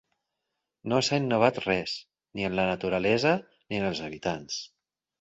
No s'ha innovat res, ni en la naturalesa, ni en els habitants.